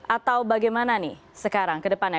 atau bagaimana nih sekarang ke depannya